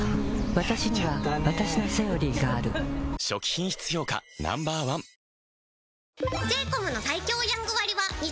わたしにはわたしの「セオリー」がある初期品質評価Ｎｏ．１第１位。